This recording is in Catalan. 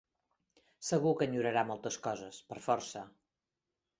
Segur que enyorarà moltes coses, per força.